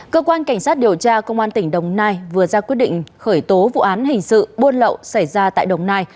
cơ quan cảnh sát điều tra công an tỉnh đồng nai vừa ra quyết định khởi tố vụ án hình sự buôn lậu xảy ra tại đồng nai